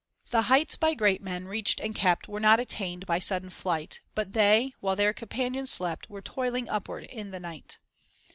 "The heights by great men reached and kept Were not attained by sudden flight ; But they, while their companions slept, Were toiling upward in the night."